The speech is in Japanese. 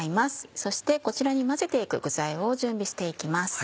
そしてこちらに混ぜて行く具材を準備して行きます。